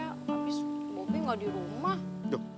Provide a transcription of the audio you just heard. abis bobi gak di rumah